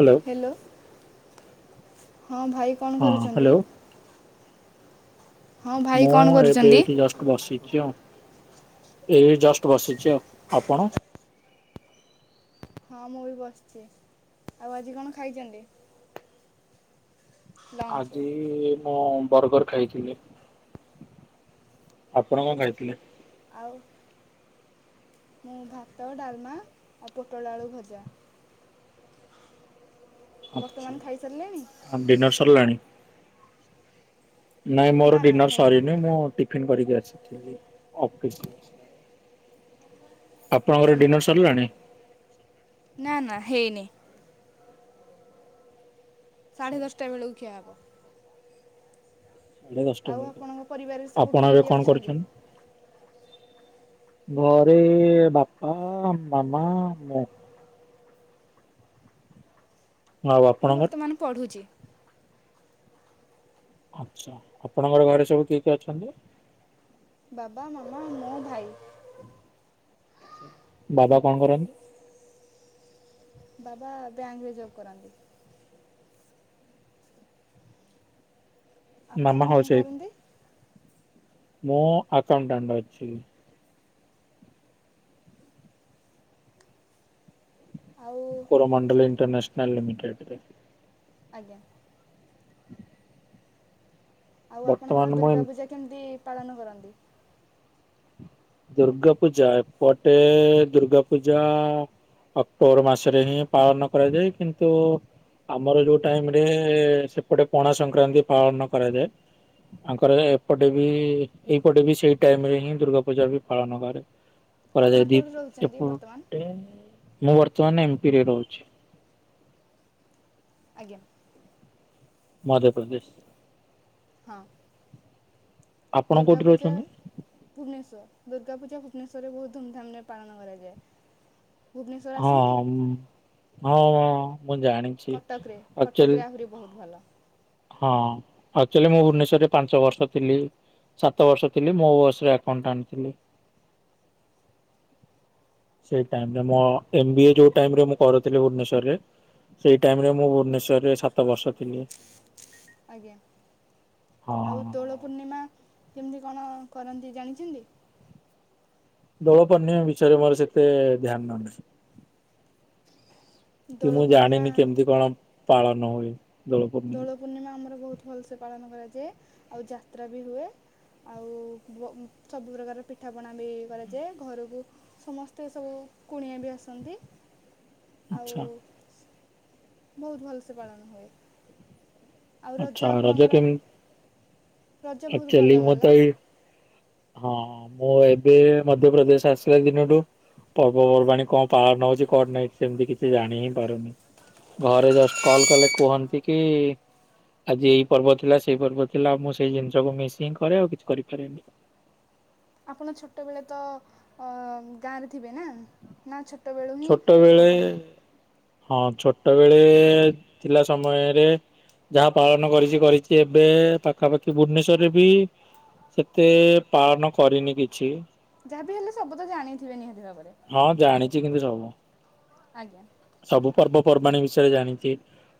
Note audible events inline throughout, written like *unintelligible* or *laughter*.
Hello hello. ହଁ ଭାଇ କଣ ହଁ କରୁଛନ୍ତି? ହ୍ୟାଲୋ ହଁ ଭାଇ ମୁଁ କ'ଣ ଏବେ କରୁଛନ୍ତି ଏଠି ଜଷ୍ଟ ବସିଛି ଆଉ। ଏଇ ଜଷ୍ଟ ବସିଛି ଆଉ, ଆପଣ? ହଁ ମୁଁ ବି ବସିଛି। ଆଉ ଆଜି କଣ ଖାଇଛନ୍ତି? ଲଞ୍ଚରେ ଆଜି ମୁଁ ବର୍ଗର ଖାଇଥିଲି। ଆପଣ କଣ ଖାଇଥିଲେ? ହଉ। ମୁଁ ଭାତ, ଡାଲମା ଆଉ ପୋଟଳ ଆଳୁ ଭଜା। ଆଉ ବର୍ତ୍ତମାନ ଆଛା, ଖାଇସାରିଲେଣି ଆଉ ଡିନର୍ ସରିଲାଣି? ନାଇଁ ମୋର ନା ନା ଡିନର ହେଇନି ସରିନି। ମୁଁ ଟିଫିନ୍ କରିକି ଆସିଥିଲି। ଅଫିସ୍ ରେ ଅଛି। ଆପଣଙ୍କର ଡିନର୍ ସରିଲାଣି? ନା ନା ହେଇନି। ସାଢେ ସାଢ଼େ ଦଶଟା ବେଳକୁ ଖିଆ ହେବ। ସାଢେ଼ ଦଶଟା ଆଉ ବେଳେ, ଆପଣଙ୍କ ପରିବାରରେ ସବୁ ଆପଣ କିଏ ଏବେ କିଏ କଣ ଅଛନ୍ତି କରୁଛନ୍ତି? ଘରେ ବାପା ମାମା ମୁଁ। ଆଉ ମୁଁ ଆପଣଙ୍କର? ବର୍ତ୍ତମାନ ପଢୁଛି। ଆଚ୍ଛା, ଆପଣଙ୍କର ଘରେ ସବୁ କିଏ କିଏ ଅଛନ୍ତି? ବାବା, ମାମା ମୁଁ ଭାଇ। ଆଛା, ବାବା କଣ କରନ୍ତି? ବାବା ବ୍ୟାଙ୍କ ରେ ଜବ କରନ୍ତି। ଆପଣ ମାମା ହାଉସ୍ କଣ ୱାଇଫ୍। କରନ୍ତି? ମୁଁ ଆକାଉଣ୍ଟାଣ୍ଟ ଅଛି। ଆଉ କରମଣ୍ଡଳ ଇଣ୍ଟରନେସନାଲ୍ ଲିମିଟେଡ଼ରେ। ଆଜ୍ଞା। ଆଉ ବର୍ତ୍ତମାନ ଆପଣଙ୍କର ମୁଁ ଦୁର୍ଗା ପୂଜା କେମିତି ପାଳନ କରନ୍ତି? ଦୁର୍ଗା ପୂଜା, ଏପଟେ ଦୁର୍ଗା ପୂଜା ଅକ୍ଟୋବର ମାସରେ ହିଁ ପାଳନ କରାଯାଏ, କିନ୍ତୁ ଆମର ଯୋଉ ଟାଇମରେ ସେପଟେ ପଣା ସଂକ୍ରାନ୍ତି ପାଳନ କରାଯାଏ। ଆଙ୍କର ଏପଟେ ବି ଏଇପଟେ ବି ସେଇ ଟାଇମ ରେ ହିଁ ଦୁର୍ଗା ପୂଜା ବି ପାଳନ କରେ, ଆପଣ କରାଯାଏ କୋଉଠି ଦୀପ ରହୁଛନ୍ତି ବର୍ତ୍ତମାନ? ଏପଟେ ମୁଁ ବର୍ତ୍ତମାନ ଏମ ପି ରେ ରହୁଛି। ଆଜ୍ଞା। ମଧ୍ୟପ୍ରଦେଶ। ହଁ। ଆପଣ ଦୁର୍ଗା କୋଉଠି ପୂଜା ରହୁଛନ୍ତି? ଭୁବନେଶ୍ଵର ଦୁର୍ଗା ପୂଜା ଭୁବନେଶ୍ୱରରେ ବହୁତ ଧୁମଧାମରେ ରେ ପାଳନ କରାଯାଏ। ଭୁବନେଶ୍ୱର ଆସନ୍ତି? ହଁ -ହଁ - ହଁ। କଟକ ରେ, କଟକରେ ଆହୁରି ବହୁତ ଭଲ। ହଁ ଏକ୍ଟୁଆଲି ମୁଁ ଭୁବନେଶ୍ୱରରେ ପାଞ୍ଚ ବର୍ଷ ଥିଲି। ସାତ ବର୍ଷ ଥିଲି, ମୁଁ ସେ ଆକାଉଣ୍ଟାଣ୍ଟ ଥିଲି। ସେ ଟାଇମ୍ ମୋ ଏମ ବି ଏ ଯୋଉ ଟାଇମରେ ମୁଁ କରୁଥିଲି ଭୁବନେଶ୍ୱରରେ - ସେଇ ଟାଇମ ରେ ମୁଁ ଭୁବନେଶ୍ୱରରେ ସାତ ବର୍ଷ ଥିଲି ଆଜ୍ଞା। ହଁ। ଆଉ ଦୋଳ ପୂର୍ଣ୍ଣିମା କେମିତି କଣ କରନ୍ତି ଜାଣିଛନ୍ତି? ଦୋଳପୂର୍ଣ୍ଣିମା ବିଷୟରେ ମୋର ସେତେ ଧ୍ୟାନ ନାହିଁ। କି ଦୋଳ ମୁଁ ଜାଣିନି ପୂର୍ଣ୍ଣିମା କେମିତି କଣ ପାଳନ ହୁଏ? ଦୋଳ ପୂର୍ଣ୍ଣିମା ଆମର ବହୁତ ଭଲସେ ପାଳନ କରାଯାଏ। ଆଉ ଯାତ୍ରା ବି ହୁଏ। ଆଉ ବ ସବୁ ପ୍ରକାର ପିଠାପଣା ବି କରାଯାଏ। ଘରକୁ ସମସ୍ତେ ସବୁ କୁଣିଆ ବି ଆସନ୍ତି। ଆଉ ଆଚ୍ଛା। ବହୁତ୍ ଭଲ ସେ ପାଳନ ହୁଏ। ଆଉ ଆଛା ରଜ ଆପଣଙ୍କର କେମ ରଜ ବହୁତ ଭଲ ଏକ୍ଟୁଆଲି ଗଲା ମତେ ହଁ ମୁଁ ଏବେ ମଧ୍ୟପ୍ରଦେଶ ଆସିଲା ଦିନଠୁ ପର୍ବପର୍ବାଣୀ କଣ ପାଳନ ହୋଉଚି କଣ ନାହିଁ ସେମିତି କିଛି ଜାଣି ହିଁ ପାରୁନି। ଘରେ ଜଷ୍ଟ୍ କଲ କଲେ କୁହନ୍ତି କି ଆଜି ଏଇ ପର୍ବ ଥିଲା, ସେଇ ପର୍ବ ଥିଲା, ମୁଁ ସେଇ ଜିନିଷକୁ ମିଶିଙ୍ଗ ହିଁ କରେ, ଆଉ କିଛି କରିପାରେନି। ଆପଣ ଛୋଟବେଳେ ଅ ତ ଗାଁରେ ଥିବେ ନା? ନା ଛୋଟ ଛୋଟବେଳେ ହଁ ଛୋଟବେଳେ ଥିଲା ସମୟରେ ଯାହା ପାଳନ କରିଚି କରିଚି ଏବେ ପାଖାପାଖି ଭୁବନେଶ୍ବରରେ ବି ସେତେ ପାଳନ କରିନି କିଛି। ଯାହାବି ହେଲେ ସବୁ ତ ଆଣିଥିବେ ନିହାତି ଭାବରେ। ଏବେ ଜବ ଆଜ୍ଞା ସବୁ ପର୍ବପର୍ବାଣୀ ବିଷୟରେ ଜାଣିଚି।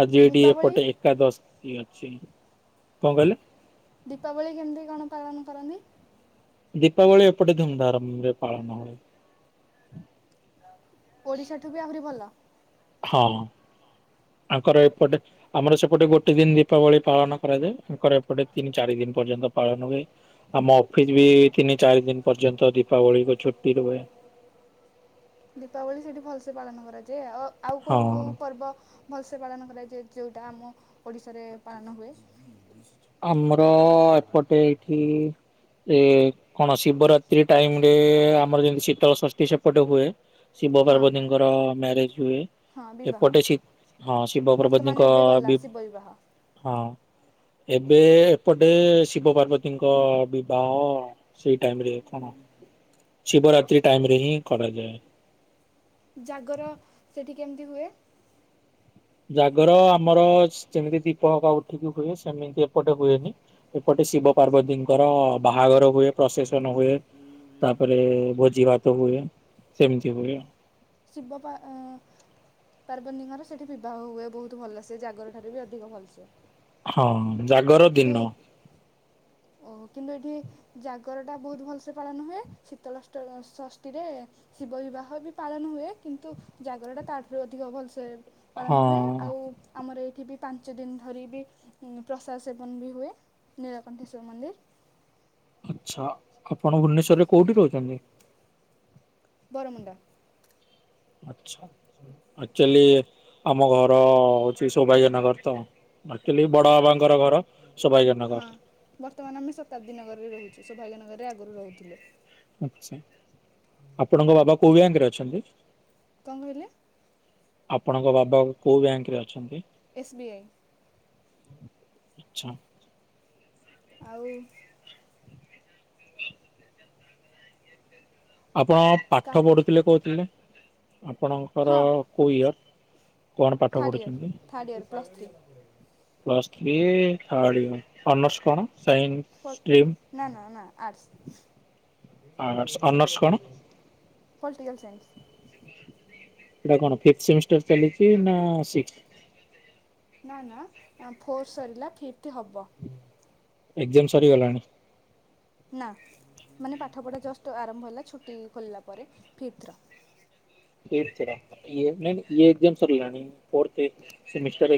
ଆଜି ଏଠି ଦୀପାବଳି ଏପଟେ ଏକାଦଶୀ ଅଛି କଣ କହିଲେ? ଦୀପାବଳି କେମିତି କଣ ପାଳନ କରନ୍ତି? ଦୀପାବଳି ଏପଟେ ଧୁମଧାରମ୍ ରେ ପାଳନ ହୁଏ। ଓଡ଼ିଶାଠୁ ବି ଆହୁରି ଭଲ ହଁ। ଆଙ୍କର ଏପଟେ ଆମର ସେପଟେ ଗୋଟେ ଦିନ୍ ଦୀପାବଳି ପାଳନ କରାଯାଏ ଆଙ୍କର ଏପଟେ ତିନି ଚାରି ଦିନ୍ ପର୍ଯ୍ୟନ୍ତ ପାଳନ ହୁଏ ଆମ ଅଫିସ୍ ବି ତିନି ଚାରି ଦିନ୍ ପର୍ଯ୍ୟନ୍ତ ଦୀପାବଳିକୁ ଛୁଟି ରୁହେ। ଦୀପାବଳି ସେଠି ଭଲସେ ପାଳନ କରାଯାଏ ଆଉ ଆଉ ହଁ। କୋଉ ଓଉ ପର୍ବ ଭଲସ୍ ଏ ପାଳନ କରାଯାଏ ଯୋଉଟା ଆମ ଓଡିଶାରେ ପାଳନ ହୁଏ। ଆମର ଏପଟେ ଏଇଠି ଏ କଣ ଶିବରାତ୍ରୀ ଟାଇମ ରେ ଆମର ଯେମିତି ଶୀତଳ ଷଷ୍ଠୀ ସେପଟେ ହୁଏ। ଶିବ ହଁ ପାର୍ବତୀଙ୍କର ମ୍ୟାରେଜ୍ ହୁଏ। ହଁ ବିବାହ ଏପଟେ ଶିତ୍ ହଁ ଶିବ ବର୍ତ୍ତମାନ ପାର୍ବତୀଙ୍କ ଏବେ ଗଲା ବିବ୍ ଶିବ ବିବାହ ହଁ। ଏବେ ଏପଟେ ଶିବ ପାର୍ବତୀଙ୍କ ବିବାହ। ସେଇ ଟାଇମିରେ କଣ ଶିବରାତ୍ରୀ ଟାଇମ ରେ ହିଁ କରାଯାଏ। ଜାଗର ସେଠି କେମ୍ ତି ହୁଏ? ଜାଗର ଆମର ଯେମିତି ଦୀପ ହିପ ଉଠିକି ହୁଏ ସେମିତି ଏପଟେ ହୁଏନି ଏପଟ ଶିବ ପାର୍ବତୀଙ୍କର ବାହାଘର ହୁଏ ପ୍ରସେସ୍ ସନ ହୁଏ ତାପରେ ଭୋଜି ଭାତ ହୁଏ। ସେମିତି ହୁଏ ଶୀବ ପାଆଁ ପାର୍ବନୀଙ୍କର ସେଠି ବିବାହ ହୁଏ ବହୁତ ଭଲସେ ସେ ଜାଗର ଠାରୁ ବି ଅଧିକ ଭଲ୍ ସେ। ହଁ ଅଁ ଜାଗର ଦିନ। ଓ କିନ୍ତୁ ଏଠି ଜାଗର ଟା ବହୁତ ଭଲସ ପାଳନ ହୁଏ ଶୀତଳ ଅଷ୍ଟ ଷଷ୍ଠୀରେ ଶିବ ବିବାହ ବି ପାଳନ ହୁଏ କିନ୍ତୁ ଜାଗରଟା ତାଠୁର୍ ଅଧିକ ଭଲସେ ହଁ ପାଳନ ହୁଏ ଆଉ ଆମର ଏଇ ଏଠି ବି ପାଞ୍ଚ ଦିନ ଧରି ବି ପ୍ରସାଦ ସେବନ ବି ହୁଏ ନୀଳକଣ୍ଠସ୍ୱର ଶିବ ମନ୍ଦିର। ଆଚ୍ଛା ଆପଣ ଭୁବନେଶ୍ଵରରେ କୋଉଠି ରହୁଛନ୍ତି? ବରମୁଣ୍ଡା। ଆଛା ଆଚୁଲି ଆମ ଘର ହଉଛି ସୌଭାଗ୍ୟ ନଗର ତ ଆଚୁଏଲି ବଡ ବାବାଙ୍କର ଘର। ହଁ ସୌଭାଗ୍ୟନଗର। ବର୍ତ୍ତମାନ ଆମେ ଶତାବ୍ଦୀ ନଗରରେ ରୋହୁଚୁ। ସୌଭାଗ୍ୟ ନଗର ରେ ଆଗରୁ ରୋହୁଥିଲୁ। ଆଛା ଆପଣଙ୍କ ବାବା କୋଉ ବ୍ୟାଙ୍କ୍ ରେ ଅଛନ୍ତି? କଣ କହିଲେ? ଆପଣଙ୍କ ବାବା କୋଉ ବ୍ୟାଙ୍କ ରେ ଅଛନ୍ତି? S B I. ଆଚ୍ଛା। ଆଉ ଆପଣ କା ପାଠ ପଢ଼ୁଥିଲେ କହୁଥିଲେ ଆପଣଙ୍କର ହଁ କୋଉ ଇୟର୍? କଣ ପାଠ ଥାର୍ଡ଼ ଇୟର୍ ପଢୁଛନ୍ତି? Third year plus three plus three *unintelligible* honours କଣ? ସାଇନ୍ସ ହ ଷ୍ଟ୍ରିମ୍? ନା ନା ନା ଆର୍ଟ୍ସ। ଆର୍ଟ୍ସ। ଅନର୍ସ କଣ? Political science. ଏଇଟା କଣ ଫିଫ୍ଥ ସେମିଷ୍ଟର ଚାଲିଚି ନା ସିକ୍ସଥ? ନା ନା ଫୋର୍ ସରିଲା ଫିପ୍ଥ ହବ। ଏକ୍ଜାମ ସରିଗଲାଣି? ନା ମାନେ ପାଠ ପଢା ଜଷ୍ଟ ଆରମ୍ଭ ହେଲା ଛୁଟି ଖୋଲିଲା ପରେ ଫିପ୍ଥର। ଏକ୍ସ ର ଏ ନାଇଟ ଏ ଏକ୍ଜାମ ସରିଲାଣି ଫୋର୍ଥ ଏ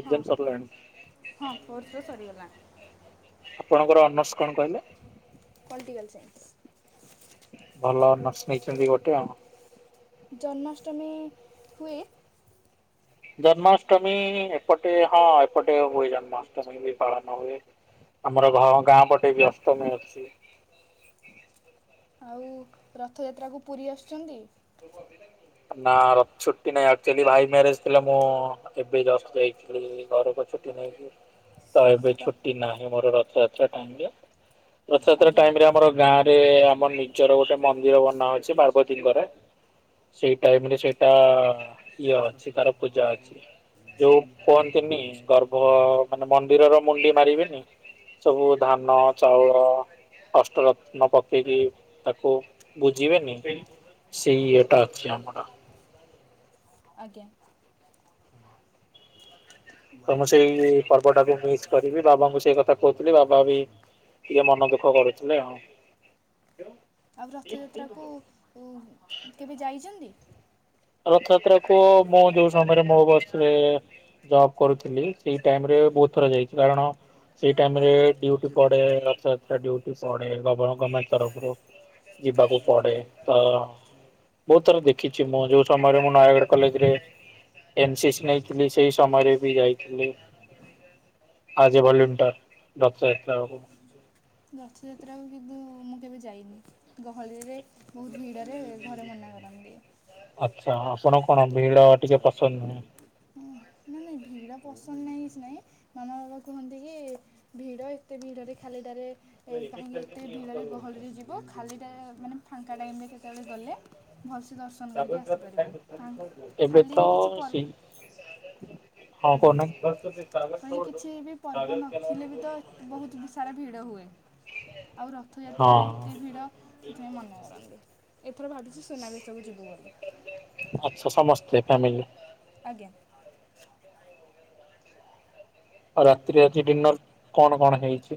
ହଁ ହଁ ଫୋର୍ଥ ର ସରିଗଲାଣି। ଆପଣଙ୍କର ଅନର୍ସ କଣ କହିଲେ? Political science. ଭଲ ଅନର୍ସ ନେଇଛନ୍ତି ଗୋଟେ ଆଉ। ଜନ୍ମାଷ୍ଟମୀ ହୁଏ। ଜନ୍ମାଷ୍ଟମୀ ଏପଟେ ହଁ ଏପଟେ ହୁଏ ଜନ୍ମାଷ୍ଟମୀ ବି ପାଳନ ହୁଏ ଆମର ଘର ଗାଁ ପଟେ ବି ଅଷ୍ଟମୀ ଅଛି। ଆଉ ରଥଯାତ୍ରାକୁ ପୁରୀ ଆସୁଛନ୍ତି। *unintelligible* ନାଁ ର ଛୁଟି ନାଇଁ ଆକଚୁଆଲି ଭାଇ ମ୍ୟାରେଜ ଥିଲା ମୁଁ ଏବେ ଜଷ୍ଟ ଯାଇଥିଲି ଘରକୁ ତ ଏବେ ଛୁଟି ନାହିଁ ମୋର ରଥଯାତ୍ରା ଟାଇମ୍ ରେ ରଥଯାତ୍ରା ଆଜ୍ଞା ଟାଇମରେ ଆମର ଗାଁରେ ଆମର ନିଜର ଗୋଟେ ମନ୍ଦିର ବନା ହଉଛି ପାର୍ବତୀଙ୍କର, ସେଇ ଟାଇମରେ ସେଇଟା ଇଏ ଅଛି ତାର ପୂଜା ଅଛି। ଯୋଉ କୁହନ୍ତିନି ଗର୍ଭ ମାନେ ମନ୍ଦିରର ମୁଣ୍ଡି ମାରିବେନି, ସବୁ ଧାନ ଚାଉଳ ଅଷ୍ଟରତ୍ନ ପକେଇକି ତାକୁ ବୁଜିବେନି ସେଇ ଇଏଟା ଅଛି ଆମର। ଆଜ୍ଞା। ତ ମୁଁ ସେଇ ପର୍ବଟାକୁ ମିସ୍ କରିବି। ବାବାଙ୍କୁ ସେଇ କଥା କହୁଥିଲି ବାବା ବି ଟିକେ ମନ ଦୁଃଖ କରୁଥିଲେ ଆଉ। ଆଉ ରଥଯାତ୍ରାକୁୁ ଉମ୍ କେବେ ଯାଇଚନ୍ତି? ରଥଯାତ୍ରା କୁ ମୁଁ ଯୋଉ ସମୟରେ ମୋ ବସରେ ଜବ୍ କରୁଥିଲି, ସେଇ ଟାଇମରେ ବହୁତ ଥର ଯାଇଥିଲି। କାରଣ ସେଇ ଟାଇମରେ ଡ୍ୟୁଟି ପଡେ, ରଥଯାତ୍ରା ଡ୍ୟୁଟି ପଡେ। *unintelligible* ଗମେଣ୍ଟ ତରଫରୁ ଯିବାକୁ ପଡେ, ତ ବହୁତ ଥର ଦେଖିଛି ମୁଁ ଯୋଉ ସମୟରେ ମୁଁ ନୟାଗଡ କଲେଜରେ ଏନ୍ ସି ସି ନେଇଥିଲି, ସେଇ ସମୟରେ ବି ଯାଇ ଥିଲି। ଆଜି ଭଲ୍ୟୁଣ୍ଟର ରଥଯାତ୍ରା ହବ ରଥଯାତ୍ରାକୁ କିନ୍ତୁ ମୁଁ କେବେ ଯାଇନି। ଗହଳିରେ ବହୁତ ଭିଡରେ ଘରେ ମନା କରନ୍ତି। ଆଚ୍ଛା। ଆପଣ କଣ ଭିଡ ଟିକେ ପସନ୍ଦ ନୁହଁ? ନାଇଁ ନାଇଁ ଭିଡ଼ ପସନ୍ଦ ନାହିଁ କିଛି ନାହିଁ, ମାମା ବାବା କୁହନ୍ତି କି ଭିଡ଼ ଏତେ ଭିଡ଼ରେ ଖାଲିଟାରେ ଏ କାହିଁକି ଏତେ ଭିଡରେ ଗହଳିରେ ଯିବ, ଖାଲିଟାରେ ମାନେ ଫାଙ୍କା ଟାଇମ୍ ରେ କେତେବେଳେ ଗଲେ, ଭଲସେ ଦର୍ଶନ କରିକି ଆସିପାରିବୁ। ଫାଙ୍କା ଏବେ ଖାଲିରେ କିଛି ପର୍ବ ତ ସିଏ ହଁ ଆଜ୍ଞା କହୁନାହାଁନ୍ତି? କହିଲି କିଛି ବି ପର୍ବ ନଥିଲେ ବି ତ ବହୁତ ସାରା ଭିଡ ହୁଏ। ଆଉ ହଁ। ରଥଯାତ୍ରାରେ ଏତେ ଭିଡ଼, ସେଥିପାଇଁ ମନା କରନ୍ତି। ମୁଁ ଭାବିଛି ସୁନା ବେସକୁ ଯିବୁ ବୋଲି। ଆଚ୍ଛା ସମସ୍ତେ ଫ୍ୟାମିଲି। ଆଜ୍ଞା। ଆଉ ରାତିରେ ଆଜି ଡିନର କଣ କଣ ହେଇଛି?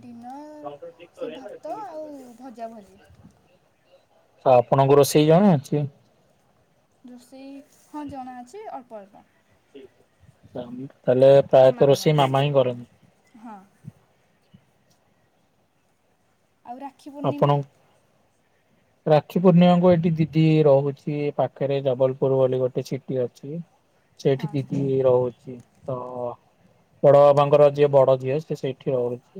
ଡିନର୍ କଟ ସେ ଠିକପ ଭାତ ଆଉ ଭଜା ଭଜି ତ ଆପଣଙ୍କୁ ରୋଷେଇ ଜଣା ଅଛି? ରୋଷେଇ ହଁ ଜଣା ଅଛି ଅଳ୍ପ ଅଳ୍ପ। ତାହେଲେ ମାମା ପ୍ରାୟତଃ ରୋଷେଇ କରନ୍ତି ମାମା ହିଁ ହଁ କରନ୍ତି। ଆଉ ରାକ୍ଷୀ ପୂର୍ଣ୍ଣିମା ହ ରାକ୍ଷୀ ପୂର୍ଣ୍ଣିମାକୁ, ଏଇଠି ଦିଦି ରହୁଛି ପାଖରେ ଜବଲପୁର ବୋଲି ଗୋଟେ ସିଟି ଅଛି। ସେଇଠି ହଁ ଦିଦି ରହୁଛି। ତ ବଡ ବାବାଙ୍କର ଯିଏ ବଡ ଝିଅ ସେ ସେଇଠି ରହୁଛି।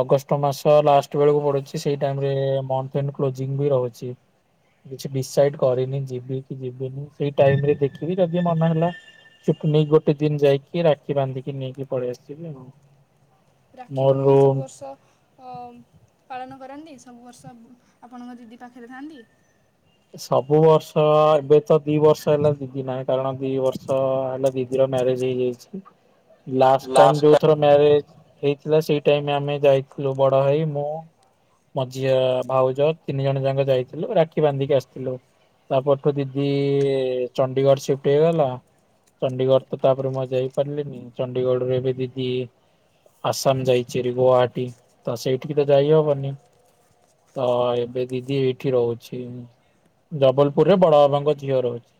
ଅଗଷ୍ଟ ମାସ ଲାଷ୍ଟ ବେଳକୁ ପଡିଛି ସେଇ ଟାଇମରେ ମନ୍ଥ ଏଣ୍ଡ କ୍ଲୋଜିଂ ବି ରହୁଛି। କିଛି ଡିସାଇଡ କରିନି, ଯିବି କି ଯିବିନି ସେଇ ଟାଇମ ରେ ଦେଖିବି ଯଦି ମନହେଲା ଛୁ ଟି ନେଇ ଗୋଟେ ଦିନ ଯାଇକି ରାକ୍ଷୀ ବାନ୍ଧିକି ନେଇକି ପଳେଇ ଆସିବି ଆଉ। ରାକ୍ଷୀ ମୋର ପୂର୍ଣ୍ଣିମା ରୁମ ସବୁ ବର୍ଷ ପାଳନ କରନ୍ତି, ସବୁ ବର୍ଷ ଆପଣଙ୍କ ଦିଦି ପାଖରେ ଥାନ୍ତି? ସବୁ ବର୍ଷ ଏବେ ତ ଦି ବର୍ଷ ହେଲା ଦିଦି ନାହିଁ, କାରଣ ଦି ବର୍ଷ ହେଲା ଦିଦିର ମାରେଜ ହେଇଯାଇଚି ଲାଷ୍ଟ ଟାଇମ୍ ଯୋଉ ଥର ମ୍ୟାରେଜ ହେଇଥିଲା, ସେଇ ଟାଇମ ଆମେ ଯାଇଥିଲୁ ବଡ ଭାଇ ମୁଁ ମଝିଆ ଭାଉଜ ତିନି ଜଣ ଯାକ ଯାଇଥିଲୁ ରାକ୍ଷୀ ବାନ୍ଧିକି ଆସି ଥିଲୁ, ତାପରଠୁ ଦିଦି ଚଣ୍ଡିଗଡ଼ ସିଫ୍ଟ ହେଇଗଲା। ଚଣ୍ଡିଗଡ ତ ତାପରେ ମୁଁ ଆଉ ଯାଇ ପାରିଲିନି, ଚଣ୍ଡିଗଡ଼ରୁରେ ଏବେ ଦିଦି ଆସାମ ଯାଇଛି ଗ୍ବାହାଟୀ ତ ସେଇଠିକି ତ ଯାଇହବନି? ତ ଏବେ ଦିଦି ଏଇଠି ରହୁଛି। ଜବଲପୁରରେ ବଡ ବାବାଙ୍କ ଝିଅ ରହୁଛି।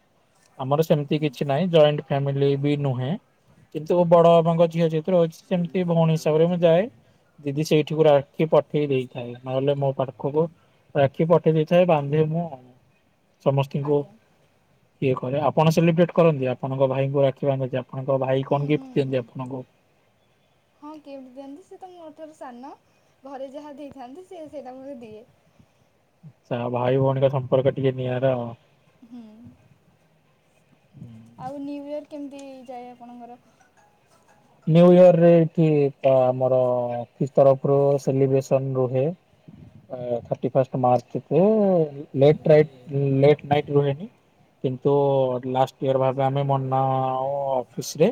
ଆମର ସେମିତି କିଛି ନାହିଁ, ଜଏଣ୍ଟ ଫ୍ୟାମିଲି ବି ନୁହେଁ। କିନ୍ତୁ ବଡ ବାବାଙ୍କ ଝିଅ ଯେହେତୁ ରହିଛି, ସେମିତି ଭଉଣୀ ହିସାବରେ ମୁଁ ଯାଏ। ଦିଦି ସେଇଠିକୁ ରାକ୍ଷୀ ପଠେଇ ଦେଇଥାଏ, ନହେଲେ ମୋ ପାଖକୁ ରାକ୍ଷୀ ପଠେଇ ଦେଇଥାଏ, ବାନ୍ଧେ ମୁଁ। ସମସ୍ତିଙ୍କୁ। ଆଜ୍ଞା ଇଏ କରେ। ଆପଣ ସେଲିବ୍ରେଟ କରନ୍ତି, ଆପଣଙ୍କ ଭାଇଙ୍କୁ ରାକ୍ଷୀ ବାନ୍ଧିକି, ଆପଣଙ୍କ ଭାଇ ହୁଁ କଣ ହୁଁ ଗିଫ୍ଟ ହୁଁ ଦିଅନ୍ତି ଆପଣଙ୍କୁ? ହ ହଁ ଗିଫ୍ଟ ଦିଅନ୍ତି। ସେ ତ ମୋ ଠାରୁ ସାନ ଘରେ ଯାହା ଦେଇଥାନ୍ତି, ସେ ସେଇଟା ମତେ ଦିଏ। ଆଛା, ଭାଇ ଭଉଣୀ ସମ୍ପର୍କ ଟିକେ ନିଆରା ଆଉ। ହୁଁ। ଆଉ ନିୟୁ ଇୟର କେମିତି ଯାଏ ଆପଣଙ୍କର? ନିୟୁ ଇୟର ରେ ଏଠି ଆମର ଅଫିସ୍ ତରଫରୁ ସେଲିବ୍ରେସନ ରୁହେ। ଥାର୍ଟି ଫାଷ୍ଟ ମାର୍ଚକୁ ଲେଟରାଇଟ୍ ଲେଟ୍ ନାଇଟ ରୁହେନି। କିନ୍ତୁ ଲାଷ୍ଟ ଇୟର ଭାବେ ଆମେ ମନାଉ ଅଫିସରେ,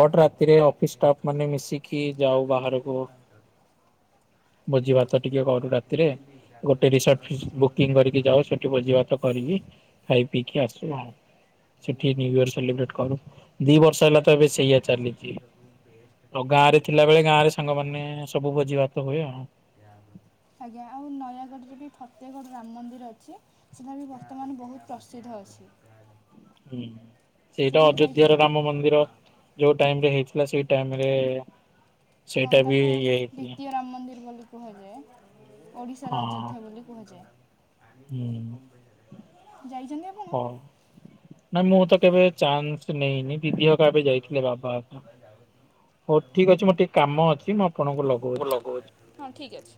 ବଟ ରାତି ରାତିରେ ଅଫିସ ଷ୍ଟାଫ୍ ମାନେ ମିଶିକି ଯାଉ ବାହାରକୁ। ଭୋଜି ଭାତ ଟିକେ କରୁ ରାତିରେ। ଗୋଟେ ରିସର୍ଟ ବୁକିଂ କରିକି ଯାଉ ସେଠି ବୋଝ ଭାତ କରିକି ଖାଇ ପିଇକି ଆସୁ ଆଉ, ସେଠି ନିୟୁ ୟଇର ସେଲିବ୍ରେଟ କରୁ। ଦି ବର୍ଷ ହେଲା ତ ଏବେ ସେଇଆ ଚାଲିଛି। ଆଉ ଗାଁ ରେ ଥିଲାବେଳେ ଗାଁ ରେ ସାଙ୍ଗମାନେ ସବୁ ଭୋଜି ଭାତ ହୁଏ ଆଉ। ଆଜ୍ଞା ଆଉ ନୟାଗଡ଼ରେ ବି ଫ ଏତେ ଗୋଟେ ରାମ ମନ୍ଦିର ଅଛି ସେଟା ବି ବର୍ତ୍ତମାନ ବହୁତ ପ୍ରସିଦ୍ଧ ଅଛି। ହୁଁ ସେଇଟା ସେଠିକି ଅଯୋଧ୍ୟାର ଯାଇଛନ୍ତି? ରାମ ମନ୍ଦିର ଯୋଉ ଟାଇମ ରେ ହେଇ ଥିଲା ସେଇ ଟାଇମରେ। ହଁ ତାକୁ ଦିତୀୟ ରାମ ମନ୍ଦିର ବୋଲି କୁହାଯାଏ। ଓଡିଶାର ହଁ। ଅଯୋଧ୍ୟା ବୋଲି କୁହାଯାଏ। ହୁଁ ଯାଇଛନ୍ତି ଆପଣ? ହଉ ନାଇଁ ମୁଁ ବହୁତ ତ କମ କେବେ ଦରକାର ଚାନ୍ସ କୋ-କୋଡିଏ ହଜାର ନେଇନି ରୁ ବି ଦିଦି ଆଣିବି ହକା ଆଉ ଏବେ ଅଠର ବର୍ଷ ଯାଇଥିଲେ ଆଉ ଯିବନି *inaudible* ଯାଉ ଆଉ ଠିକ୍ ଅଛି ମୋର ଟିକେ କାମ ଅଛି ମୁଁ ଆପଣଙ୍କୁ ଲଗଉଛି। ହଁ ଠିକ୍ ଅଛି।